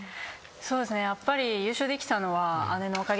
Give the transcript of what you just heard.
そうですねやっぱり。